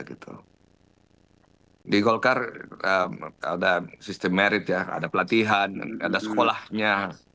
di golkar ada sistem merit ya ada pelatihan ada sekolahnya